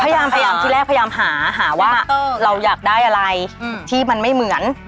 พยายามที่แรกพยายามหาหาว่าเราอยากได้อะไรที่มันไม่เหมือน